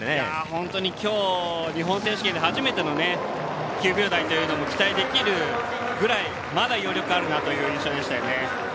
本当にきょう日本選手権で初めての９秒台というのも期待できるぐらいまだ余力あるなという印象でしたよね。